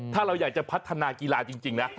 ถ้าเราอยากจะพัฒนากีฬาจริงนะ